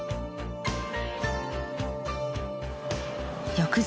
翌日